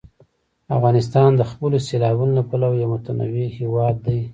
افغانستان د خپلو سیلابونو له پلوه یو متنوع هېواد دی.